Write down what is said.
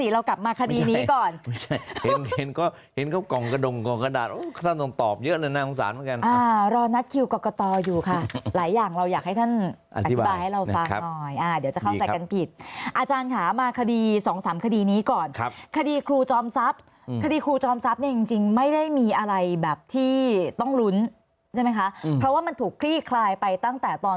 เรากลับมาคดีนี้ก่อนเห็นก็เห็นเขากล่องกระดงกล่องกระดาษท่านต้องตอบเยอะเลยน่าสงสารเหมือนกันรอนัดคิวกรกตอยู่ค่ะหลายอย่างเราอยากให้ท่านอธิบายให้เราฟังหน่อยเดี๋ยวจะเข้าใจกันผิดอาจารย์ค่ะมาคดีสองสามคดีนี้ก่อนครับคดีครูจอมทรัพย์คดีครูจอมทรัพย์เนี่ยจริงไม่ได้มีอะไรแบบที่ต้องลุ้นใช่ไหมคะเพราะว่ามันถูกคลี่คลายไปตั้งแต่ตอน